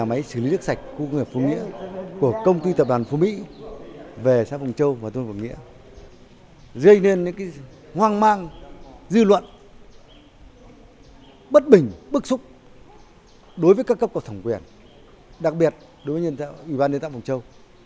bức xúc đối với các cấp cộng thổng quyền đặc biệt đối với ủy ban nhân dân tp phụng châu